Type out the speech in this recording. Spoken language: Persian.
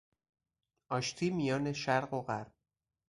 آشتی میان شرق و غرب